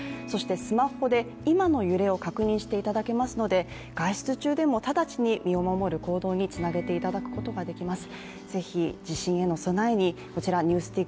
スマホで今の揺れを確認していただけますので、外出中でも直ちに身を守る行動につなげていただくことができます。